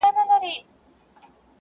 عاشق معسوق ډېوه لمبه زاهد ايمان ساتي،